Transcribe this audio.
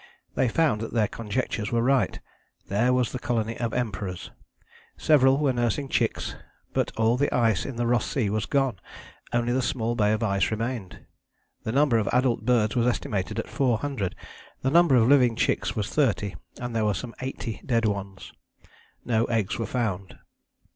They found that their conjectures were right: there was the colony of Emperors. Several were nursing chicks, but all the ice in the Ross Sea was gone; only the small bay of ice remained. The number of adult birds was estimated at four hundred, the number of living chicks was thirty, and there were some eighty dead ones. No eggs were found.